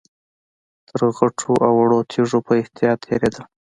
تر غټو او وړو تيږو په احتياط تېرېدل.